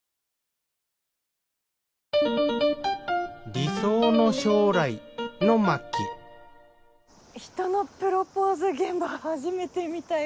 理想の将来の巻人のプロポーズ現場初めて見たよ。